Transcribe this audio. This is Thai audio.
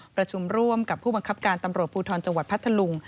ประชุมร่วมกับผู้บังคับการตำรวจภูทรจังหวัดพัทธลุง